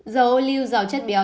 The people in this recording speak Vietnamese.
dầu ô lưu dầu chất béo